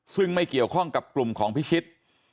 ซึ่งไม่เกี่ยวข้องกับกลุ่มของพิชิต